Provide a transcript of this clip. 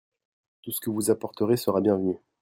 Tout ce que vous apporterez sera bienvenu.